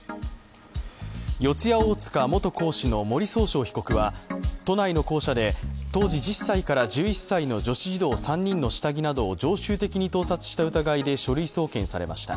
四谷大塚元講師の森崇翔被告は都内の校舎で当時１０歳から１１歳の女子児童３人の下着などを常習的に盗撮した疑いで書類送検されました。